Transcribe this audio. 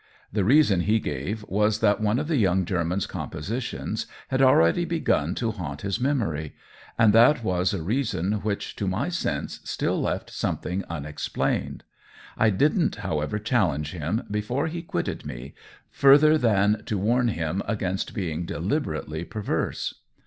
The reason he gave was that one of the young German's compositions had already begun to haunt his memory; but that was a reason which, to my sense, still left something unexplained. I didn^t, however, challenge him, before he quitted me, further than to warn him against being deliberately perverse.